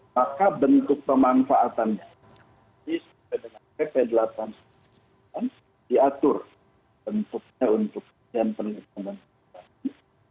maka bentuk pemanfaatannya disuruh pp delapan tahun seribu sembilan ratus sembilan puluh diatur bentuknya untuk pilihan penelitian dan penelitian